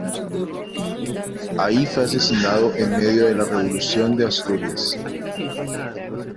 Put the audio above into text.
Ahí fue asesinado en medio de la Revolución de Asturias.